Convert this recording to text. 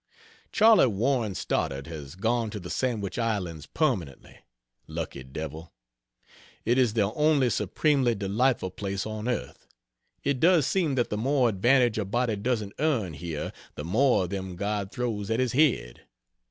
Charley Warren Stoddard has gone to the Sandwich Islands permanently. Lucky devil. It is the only supremely delightful place on earth. It does seem that the more advantage a body doesn't earn, here, the more of them God throws at his head.